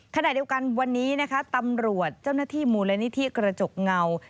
ขณะเดียวกันวันนี้นะคะตำรวจเจ้าหน้าที่มูลนิธิกระจกเงา